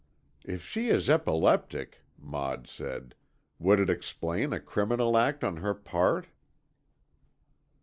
"If she is epileptic," Maud said, "would it explain a criminal act on her part?"